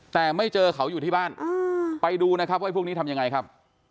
แต่ไม่เจอเขาอยู่ที่บ้านไปดูนะครับว่าพวกนี้ทำยังไงครับ